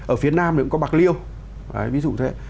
ở phía nam thì cũng có bạc liêu ví dụ thế